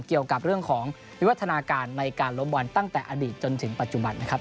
เกี่ยวกับเรื่องของวิวัฒนาการในการล้มบอลตั้งแต่อดีตจนถึงปัจจุบันนะครับ